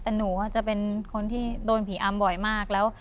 แต่หนูจะเป็นคนที่โดนผีอำบ่อยมากแล้ว